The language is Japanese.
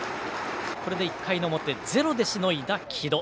これで１回の表ゼロでしのいだ城戸。